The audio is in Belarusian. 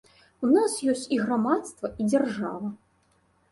У нас ёсць і грамадства, і дзяржава.